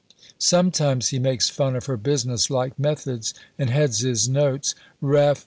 Sometimes he makes fun of her business like methods, and heads his notes "Ref.